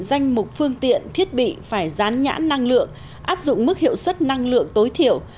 danh mục phương tiện thiết bị phải rán nhãn năng lượng áp dụng mức hiệu suất năng lượng tối thiểu